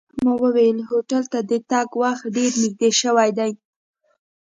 ما وویل هوټل ته د تګ وخت ډېر نږدې شوی دی.